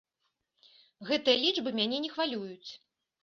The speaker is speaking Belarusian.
Гэтыя лічбы мяне не хвалююць.